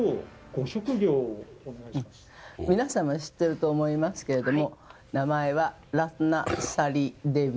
皆様知ってると思いますけれども。